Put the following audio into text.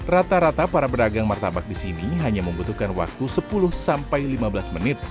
rata rata para pedagang martabak di sini hanya membutuhkan waktu sepuluh sampai lima belas menit